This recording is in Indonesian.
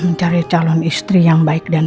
mencari calon istri yang baik dan